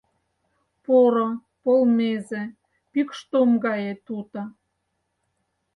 Поро, полмезе, пӱкш том гае туто.